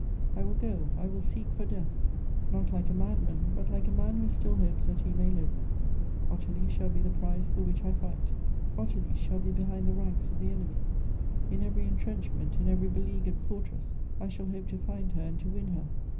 I will go ; I will seek for death ; not like a madman, but like a man who still hopes that he may live. Ottilie shall be the prize for which I fight. Ottilie shall be behind the ranks of the enemy ; in every entrenchment, in every beleagued fortress, I shall hope to find her, and to win her.